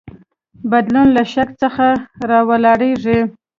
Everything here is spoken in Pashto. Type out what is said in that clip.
بدلون له شک څخه راولاړیږي.